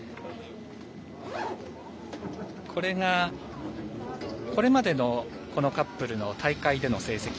これが、これまでのこのカップルの大会での成績。